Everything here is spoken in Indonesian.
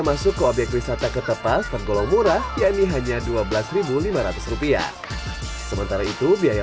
masuk ke obyek wisata ketepas tergolong murah yakni hanya dua belas lima ratus rupiah sementara itu biaya